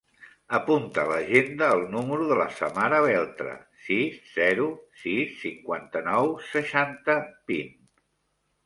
Apunta a l'agenda el número de la Samara Beltre: sis, zero, sis, cinquanta-nou, seixanta, vint.